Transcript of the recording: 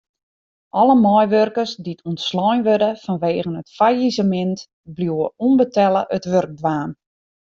Alle meiwurkers dy't ûntslein wurde fanwegen it fallisemint bliuwe ûnbetelle it wurk dwaan.